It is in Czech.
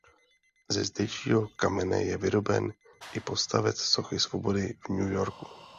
Ze zdejšího kamene je vyroben i podstavec Sochy Svobody v New Yorku.